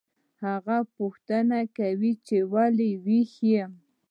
هغه پوښتنه کوي چې ولې ویښ یم